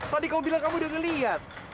tadi kamu bilang kamu udah ngelihat